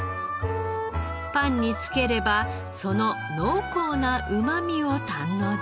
パンにつければその濃厚なうまみを堪能できます。